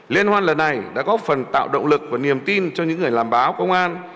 liên hoan lần này đã góp phần tạo động lực và niềm tin cho những người làm báo công an